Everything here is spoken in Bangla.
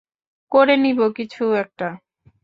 করে নিব কিছু একটা।